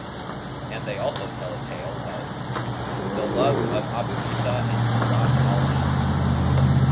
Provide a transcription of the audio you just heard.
And they also tell a tale of THE LOVES OF ABU ISA AND KURRAT AL AYN.